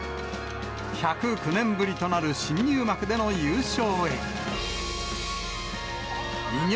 １０９年ぶりとなる新入幕での優勝へ。